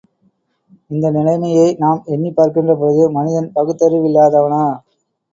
இந்த நிலைமையை நாம் எண்ணிப்பார்க்கின்றபொழுது, மனிதன் பகுத்தறிவில்லாதவனா?